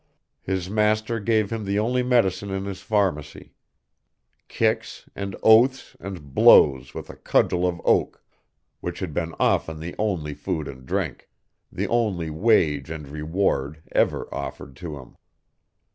His master gave him the only medicine in his pharmacy kicks and oaths and blows with a cudgel of oak, which had been often the only food and drink, the only wage and reward, ever offered to him.